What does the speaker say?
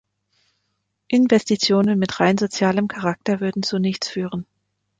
Investitionen mit rein sozialem Charakter würden zu nichts führen.